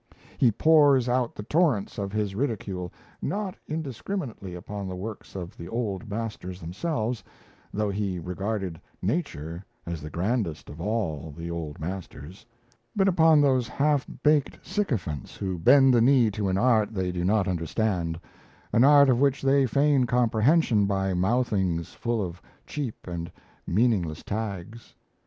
He pours out the torrents of his ridicule, not indiscriminately upon the works of the old masters themselves though he regarded Nature as the grandest of all the old masters but upon those half baked sycophants who bend the knee to an art they do not understand, an art of which they feign comprehension by mouthings full of cheap and meaningless tags.